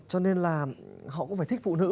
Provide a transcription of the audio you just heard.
cho nên là họ cũng phải thích phụ nữ